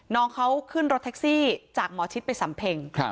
น้องเขาขึ้นรถแท็กซี่จากหมอชิดไปสำเพ็ง